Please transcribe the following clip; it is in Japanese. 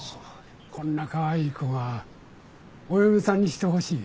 こんなカワイイ子がお嫁さんにしてほしい。